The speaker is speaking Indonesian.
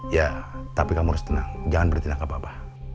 ya tapi kamu harus tenang jangan bertindak apa apa